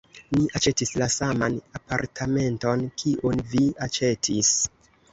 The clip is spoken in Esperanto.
Ni aĉetis la saman apartamenton kiun vi aĉetis.